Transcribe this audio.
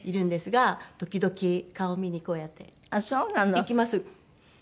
行きます。